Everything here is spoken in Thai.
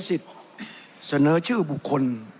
เสนอชื่อบุคคล